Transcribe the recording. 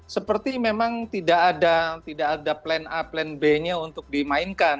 seperti memang tidak ada plan a plan b nya untuk dimainkan